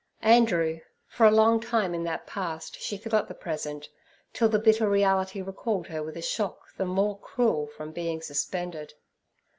Andrew—for a long time in that past she forgot the present, till the bitter reality recalled her with a shock the more cruel from being suspended.